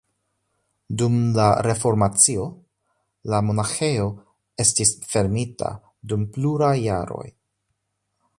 Dum la reformacio la monaĥejo estis fermita dum pluraj jaroj.